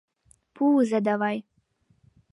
Пуыза давай!